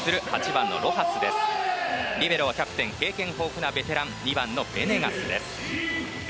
リベロはキャプテン、経験豊富な２番のベネガスです。